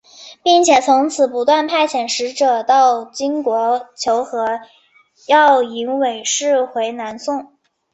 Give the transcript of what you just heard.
并且从此不断派遣使者到金国求和要迎韦氏回南宋。